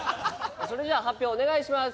それでは発表お願いします。